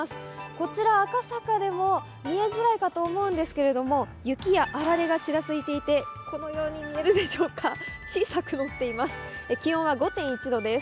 こちら赤坂でも、見えづらいかと思うんですけれども、雪やあられがちらついて、見えるでしょうか小さくのっています。